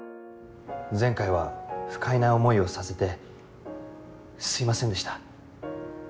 前回は不快な思いをさせてすいませんでした。